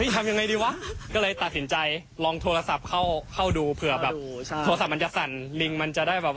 ตอนแรกโทรเข้าก่อน